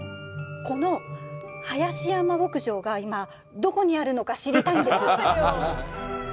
この林山牧場がいまどこにあるのか知りたいんです。